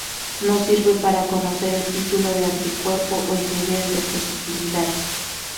No sirve para conocer el título de anticuerpo o el nivel de positividad.